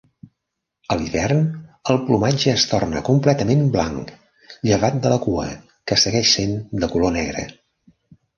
A l'hivern, el plomatge es torna completament blanc llevat de la cua, que segueix sent de color negre.